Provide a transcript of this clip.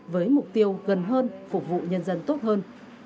với mục tiêu gần hơn phục vụ nhân dân tốt hơn